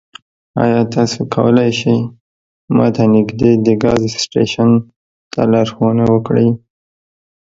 ایا تاسو کولی شئ ما ته نږدې د ګاز سټیشن ته لارښوونه وکړئ؟